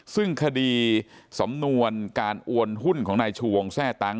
ซึ่งคดีสำนวนการโอนหุ้นของนายชูวงแทร่ตังค